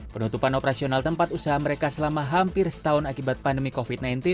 penutupan operasional tempat usaha mereka selama hampir setahun akibat pandemi covid sembilan belas